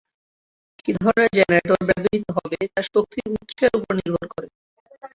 কী ধরনের জেনারেটর ব্যবহৃত হবে তা শক্তির উৎসের ওপর নির্ভর করে।